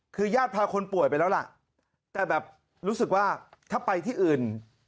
คือญาติพาคนป่วยไปแล้วล่ะแต่แบบรู้สึกว่าถ้าไปที่อื่น